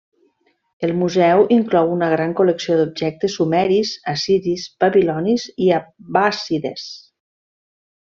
El museu inclou una gran col·lecció d'objectes sumeris, assiris, babilonis i abbàssides.